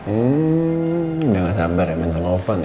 udah gak sabar ya main sama ofan ya